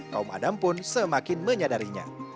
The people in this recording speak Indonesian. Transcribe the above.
kaum adam pun semakin menyadarinya